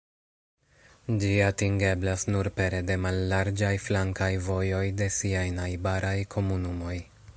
Ĝi atingeblas nur pere de mallarĝaj flankaj vojoj de siaj najbaraj komunumoj.